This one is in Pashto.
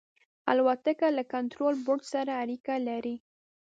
الوتکه له کنټرول برج سره اړیکه لري.